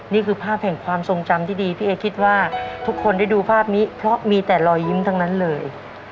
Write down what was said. นี่คือภาพแห่งความทรงจำที่ดีพี่เอ๊คิดว่าทุกคนได้ดูภาพนี้เพราะมีแต่รอยยิ้มทั้งนั้นเลย